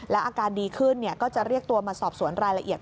อาการดีขึ้นก็จะเรียกตัวมาสอบสวนรายละเอียด